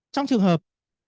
trong trường hợp